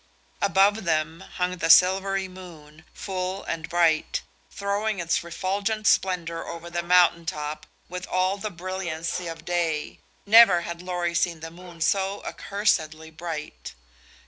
Above them hung the silvery moon, full and bright, throwing its refulgent splendor over the mountain top with all the brilliancy of day. Never had Lorry seen the moon so accursedly bright.